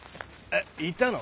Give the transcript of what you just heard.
いたの？